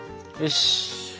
よし。